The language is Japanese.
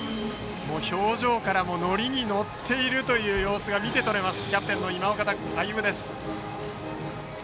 表情からもノリに乗っている様子が見て取れるキャプテンの今岡歩夢です。